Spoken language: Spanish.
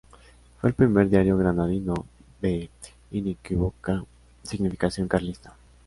Fue el primer diario granadino de inequívoca significación carlista.